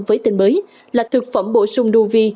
với tên mới là thực phẩm bổ sung nuvi